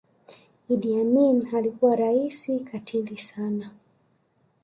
idi amin alikuwa raisi katili sana